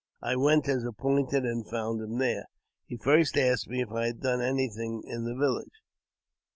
I went as appointed, and found him there. He first asked me if I had done anything in the village.